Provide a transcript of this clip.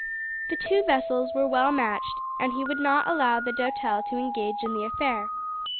The two vessels were well matched, and he would not allow the Doutelle to engage in the affair.